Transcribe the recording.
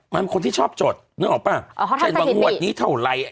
มันคนที่ชอบจดนึกออกป่ะเขาทำสถิติเช่นว่างงวดนี้เท่าไร